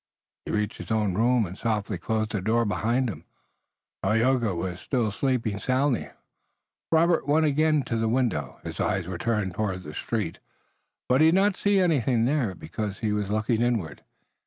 He reached his own room and softly closed the door behind him. Tayoga was still sleeping soundly. Robert went again to the window. His eyes were turned toward the street, but he did not see anything there, because he was looking inward.